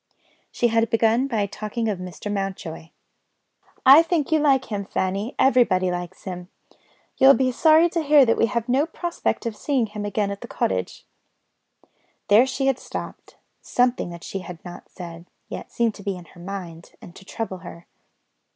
She had begun by talking of Mr. Mountjoy: "I think you like him, Fanny: everybody likes him. You will be sorry to hear that we have no prospect of seeing him again at the cottage." There she had stopped; something that she had not said, yet, seemed to be in her mind, and to trouble her.